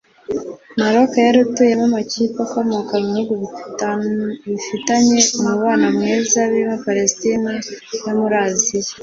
Maroc yaritumiyemo amakipe akomoka mu bihugu bifitanye umubano mwiza birimo Palestine yo muri Aziya